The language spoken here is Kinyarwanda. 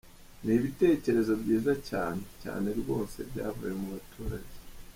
Ni ibitekerezo byiza cyane, cyane rwose byavuye mu baturage.